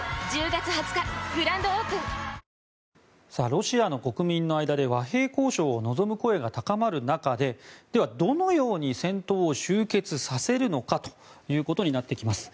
ロシアの国民の間で和平交渉を望む声が高まる中では、どのように戦闘を終結させるのかということになってきます。